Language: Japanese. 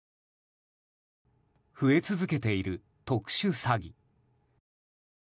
増え続けている特殊詐欺。